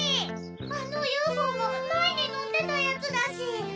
あのＵＦＯもまえにのってたやつだし。